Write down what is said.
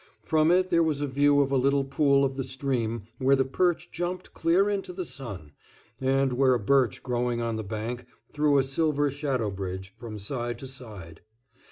From it there was a view of a little pool of the stream where the perch jumped clear into the sun, and where a birch growing on the bank threw a silver shadow bridge from side to side.